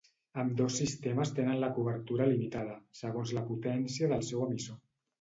Ambdós sistemes tenen la cobertura limitada, segons la potència del seu emissor.